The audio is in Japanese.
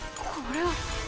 これは！